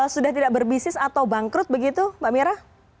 sudah tidak berbisnis atau bangkrut begitu mbak mira